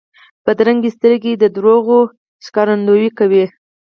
بدرنګه سترګې د دروغو ښکارندویي کوي